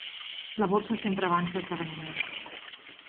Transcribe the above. La borsa sempre avança esdeveniments.